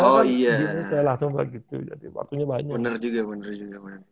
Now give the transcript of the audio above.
kalau saya langsung begitu waktunya banyak